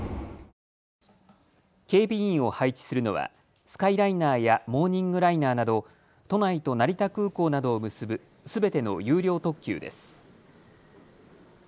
警備員を配置するのはスカイライナーやモーニングライナーなど都内と成田空港などを結ぶすべての有料特急です。